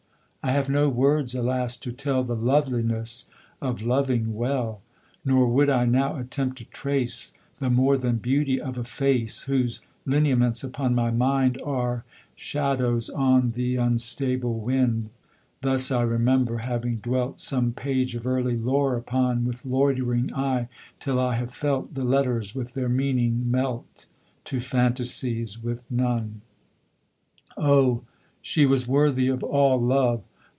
I have no words alas! to tell The loveliness of loving well! Nor would I now attempt to trace The more than beauty of a face Whose lineaments, upon my mind, Are shadows on th' unstable wind Thus I remember having dwelt Some page of early lore upon, With loitering eye, till I have felt The letters with their meaning melt To fantasies with none. O, she was worthy of all love!